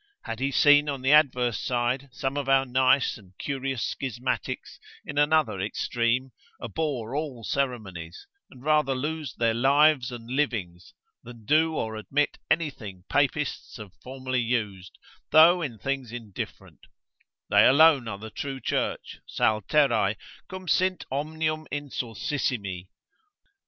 Had he seen on the adverse side, some of our nice and curious schismatics in another extreme, abhor all ceremonies, and rather lose their lives and livings, than do or admit anything Papists have formerly used, though in things indifferent (they alone are the true Church, sal terrae, cum sint omnium insulsissimi).